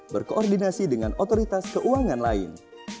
berkoordinasi dengan otoritas keuangan lain